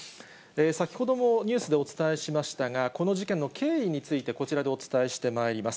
先ほどもニュースでお伝えしましたがこの事件の経緯について、こちらでお伝えしてまいります。